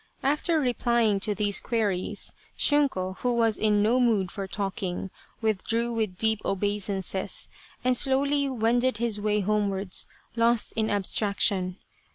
After replying to these queries, Shunko, who was in no mood for talking, withdrew with deep obeisances, and slowly wended his way homewards, lost in ab straction.